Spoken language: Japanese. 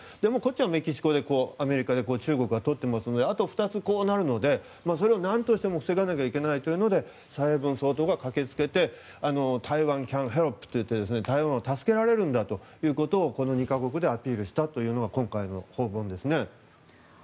メキシコでアメリカ中国は取っていてあと２つ、こうなるのでそれを何としても防がなきゃいけないというので蔡英文総統が駆けつけて台湾・キャン・ヘルプ！と台湾を助けられるんだということをこの２か国でアピールしたというのが今回の訪問ですね。